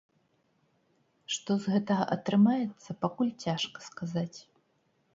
Што з гэтага атрымаецца, пакуль цяжка сказаць.